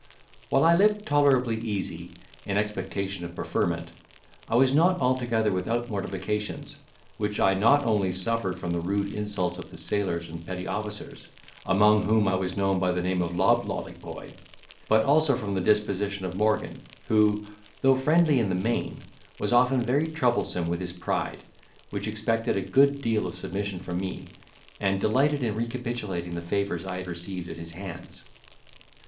While I lived tolerably easy, in expectation of preferment, I was not altogether without mortifications, which I not only suffered from the rude insults of the sailors and petty officers, among whom I was known by the name of Loblolly Boy, but also from the disposition of Morgan, who, though friendly in the main, was often very troublesome with his pride, which expected a good deal of submission from me, and delighted in recapitulating the favours I had received at his hands.